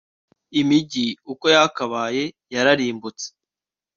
Imigi uko yakabaye yararimbutse